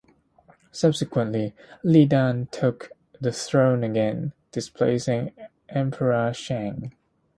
Subsequently, Li Dan took the throne again, displacing Emperor Shang.